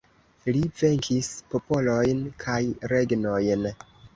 Li venkis popolojn kaj regnojn.